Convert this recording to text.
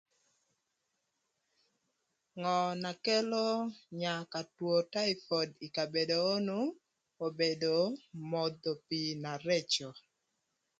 Ngö na kelo nyaa ka two taipod ï kabedo onu obedo modho pii na rëcö,